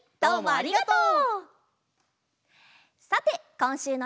ありがとう！